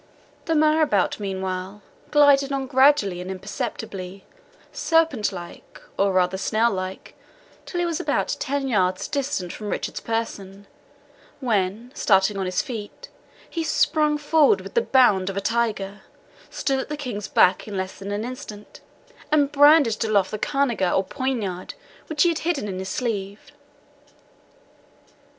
The marabout, meanwhile, glided on gradually and imperceptibly, serpent like, or rather snail like, till he was about ten yards distant from Richard's person, when, starting on his feet, he sprung forward with the bound of a tiger, stood at the King's back in less than an instant, and brandished aloft the cangiar, or poniard, which he had hidden in his sleeve.